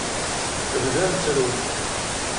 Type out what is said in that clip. Bdan ttrun.